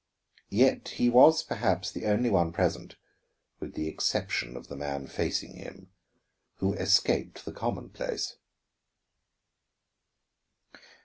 Yet he was perhaps the only one present, with the exception of the man facing him, who escaped the commonplace.